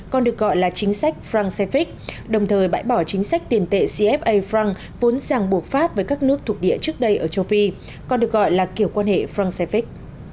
còn được gọi là chính sách france afric đồng thời bãi bỏ chính sách tiền tệ cfa france vốn sàng buộc pháp với các nước thuộc địa trước đây ở châu phi còn được gọi là kiểu quan hệ france afric